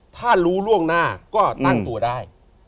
ถ้ารู้ล่วงหน้าก็ตั้งตัวได้